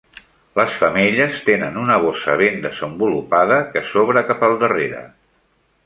Les femelles tenen una bossa ben desenvolupada que s'obre cap al darrere.